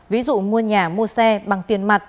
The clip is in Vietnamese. ví dụ mua nhà mua xe bằng tiền mặt